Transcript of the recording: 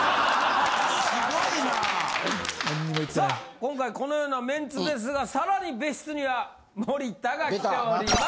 今回このようなメンツですがさらに別室には森田が来ております。